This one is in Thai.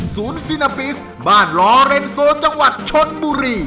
ซีนาปิสบ้านลอเรนโซจังหวัดชนบุรี